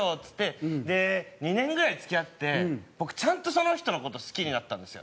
で２年ぐらい付き合って僕ちゃんとその人の事好きになったんですよ。